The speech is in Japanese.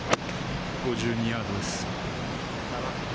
５２ヤードです。